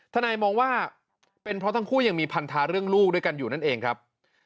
ทนายมองว่าเป็นเพราะทั้งคู่ยังมีพันธาเรื่องลูกด้วยกันอยู่นั่นเองครับ